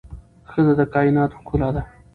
ښځه د کائناتو ښکلا ده